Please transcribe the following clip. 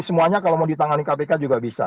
semuanya kalau mau ditangani kpk juga bisa